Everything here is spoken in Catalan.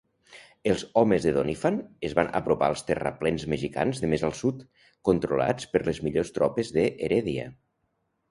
Els homes de Doniphan es van apropar als terraplens mexicans de més al sud, controlats per les millors tropes de Heredia.